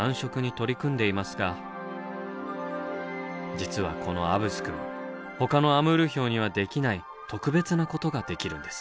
実はこのアブスくんほかのアムールヒョウにはできない特別なことができるんです。